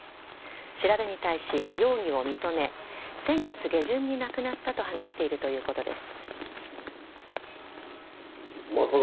調べに対し容疑を認め先月下旬に亡くなったと話しているということです。